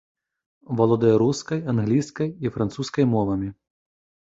Валодае рускай, англійскай і французскай мовамі.